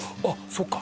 そっか